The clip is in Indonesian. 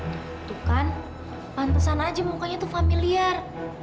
tuh kan pantesan aja mukanya tuh familiar